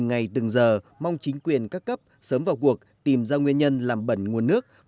từ ngày từ giờ mong chính quyền các cấp sớm vào cuộc tìm ra nguyên nhân làm bẩn nguồn nước